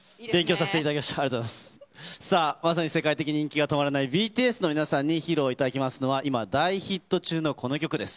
さあ、まさにせかいてきのは人気が止まらないＢＴＳの皆さんに披露いただきますのは、今大ヒット中のこの曲です。